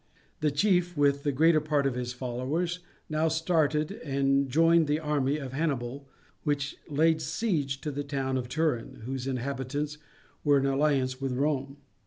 The chief, with the greater part of his followers, now started and joined the army of Hannibal, which laid siege to the town of Turin, whose inhabitants were in alliance with Rome.